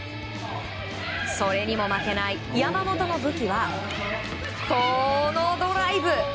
それにも負けない山本の武器はこのドライブ。